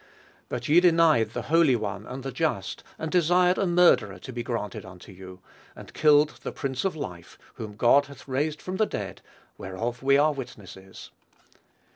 But ye denied the holy One and the just, and desired a murderer to be granted unto you; and killed the Prince of life, whom God hath raised from the dead, whereof we are witnesses."